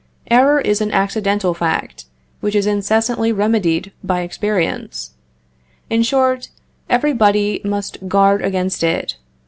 Error is an accidental fact, which is incessantly remedied by experience. In short, everybody must guard against it.